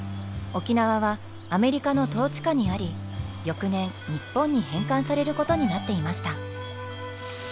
沖縄はアメリカの統治下にあり翌年日本に返還されることになっていました。